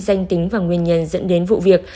danh tính và nguyên nhân dẫn đến vụ việc